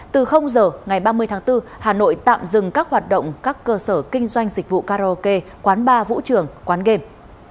từ giờ ngày ba mươi tháng bốn hà nội tạm dừng các hoạt động các cơ sở kinh doanh dịch vụ karaoke quán bar vũ trường quán game